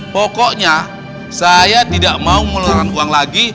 pokoknya saya tidak mau mengeluarkan uang lagi